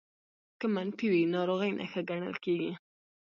که منفي وي ناروغۍ نښه ګڼل کېږي